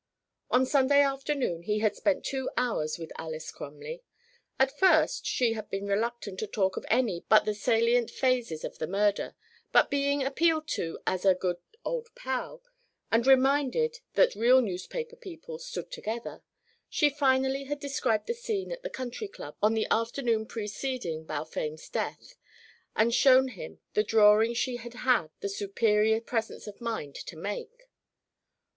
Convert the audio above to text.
On Sunday afternoon he had spent two hours with Alys Crumley. At first she had been reluctant to talk of any but the salient phases of the murder, but being appealed to as a "good old pal" and reminded that real newspaper people stood together, she finally had described the scene at the Country Club on the afternoon preceding Balfame's death, and shown him the drawing she had had the superior presence of mind to make.